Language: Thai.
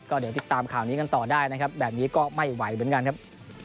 เดี๋ยวติดตามข่าวนี้กันต่อได้นะครับแบบนี้ก็ไม่ไหวเหมือนกันครับ